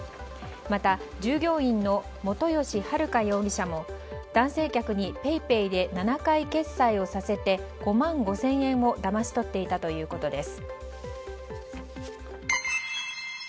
また、従業員の本吉春霞容疑者も男性客にＰａｙＰａｙで７回決済をさせて５万５０００円をだまし取っていたということです。